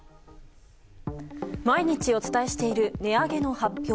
毎日お伝えしている値上げの発表。